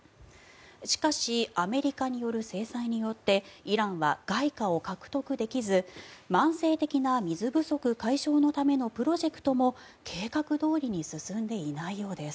しかしアメリカによる制裁によってイランは外貨を獲得できず慢性的な水不足解消のためのプロジェクトも計画どおりに進んでいないようです。